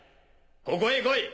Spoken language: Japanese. ここへ来い！